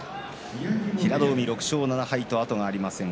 平戸海は６勝７敗と後がありません。